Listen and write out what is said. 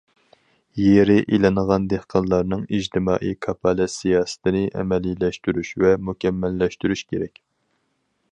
يېرى ئېلىنغان دېھقانلارنىڭ ئىجتىمائىي كاپالەت سىياسىتىنى ئەمەلىيلەشتۈرۈش ۋە مۇكەممەللەشتۈرۈش كېرەك.